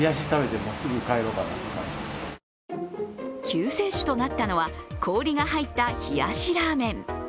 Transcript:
救世主となったのは氷が入った冷やしラーメン。